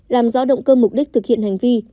làm rõ động cơ mục đích thực hiện hành vi